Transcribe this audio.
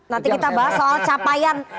nanti kita bahas soal capaian